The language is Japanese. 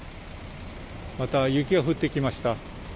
また雪が降ってきました。